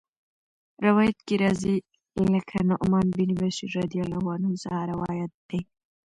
روايت کي راځي: له نعمان بن بشير رضي الله عنه څخه روايت دی